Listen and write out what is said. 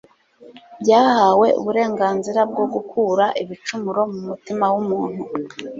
byahawe uburenganzira bwo gukura ibicumuro mu mutima w'umuntu.